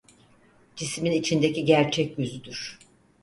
Cismin içindeki gerçek yüzüdür.